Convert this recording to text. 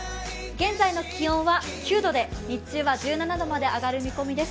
現在の気温は９度で、日中は１７度まで上がる見込みです。